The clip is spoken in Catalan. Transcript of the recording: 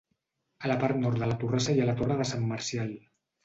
A la part nord de la torrassa hi ha la torre de Sant Marcial.